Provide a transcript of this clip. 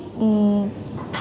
hỏi các thí sinh